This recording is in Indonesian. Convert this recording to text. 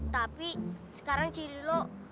tapi sekarang si lilo